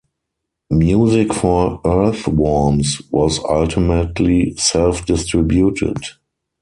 "Music for Earthworms" was ultimately self-distributed.